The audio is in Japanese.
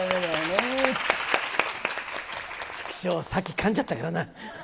ちくしょー、さっきかんじゃったからな。